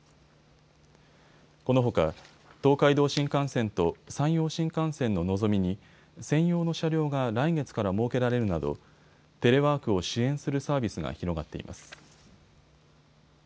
このほか東海道新幹線と山陽新幹線ののぞみに専用の車両が来月から設けられるなどテレワークを支援するサービスが広がっています。